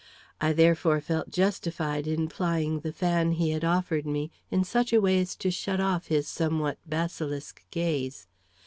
I therefore felt justified in plying the fan he had offered me, in such a way as to shut off his somewhat basilisk gaze.